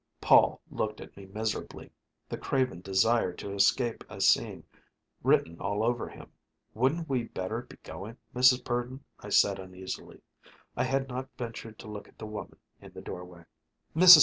Paul looked at me miserably, the craven desire to escape a scene written all over him. "Wouldn't we better be going, Mrs. Purdon?" I said uneasily. I had not ventured to look at the woman in the doorway. Mrs.